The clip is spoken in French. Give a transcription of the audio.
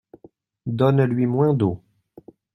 Donne-lui moins d’eau.